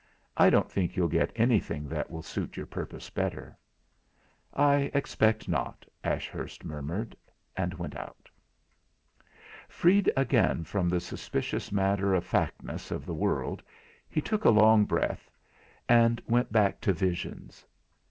I don't think you'll get anything that will suit your purpose better." "I expect not," Ashurst murmured, and went out. Freed again from the suspicious matter of factness of the world, he took a long breath, and went back to visions.